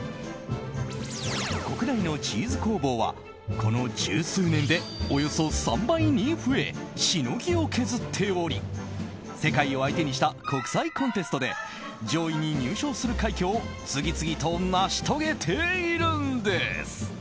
国内のチーズ工房はこの十数年でおよそ３倍に増えしのぎを削っており世界を相手にした国際コンテストで上位に入賞する快挙を次々と成し遂げているんです。